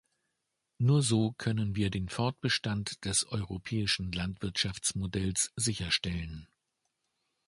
Nur so können wir den Fortbestand des europäischen Landwirtschaftsmodells sicherstellen.